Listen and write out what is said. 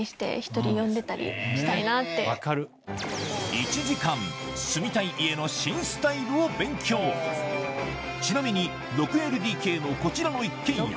１時間住みたい家のちなみに６ＬＤＫのこちらの一軒家